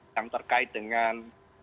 yang terkait dengan